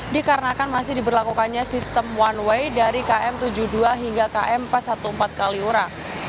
dikarenakan masih diberlakukannya sistem one way dari km tujuh puluh dua hingga km empat ratus empat belas kaliura